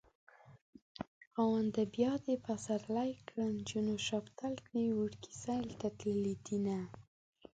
خاونده بيا دې پسرلی کړو جونه شفتل کړي وړکي سيل ته تللي دينه